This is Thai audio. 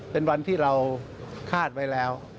เป็นวันที่เราคาดไว้แล้ว